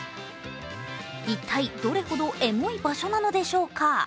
一体どれほどエモい場所なのでしょうか。